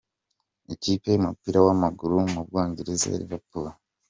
Ikipe y’umupira w’amaguru mu bwongereza ya Liverpool F.